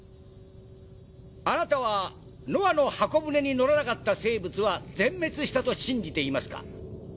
あなたはノアの方舟に乗らなかった生物は全滅したと信じていますか？